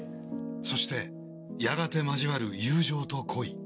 そしてやがて交わる友情と恋。